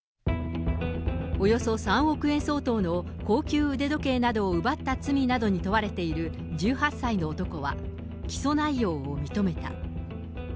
およそ３億円相当の高級腕時計などを奪った罪などに問われている１８歳の男は、起訴内容を認めた。